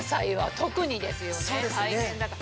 大変だから。